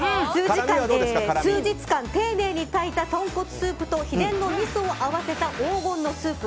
数日間、丁寧に炊いた豚骨スープと秘伝の味噌を合わせた黄金のスープ。